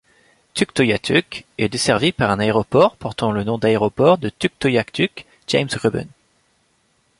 Tuktoyaktuk est desservie par un aéroport portant le nom d'aéroport de Tuktoyaktuk-James Gruben.